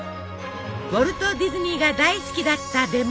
ウォルト・ディズニーが大好きだったレモンパイ。